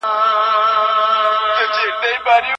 انسان پخپل خير او شر نپوهيږي.